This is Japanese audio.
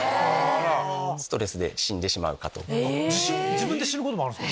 自分で死ぬこともあるんすか。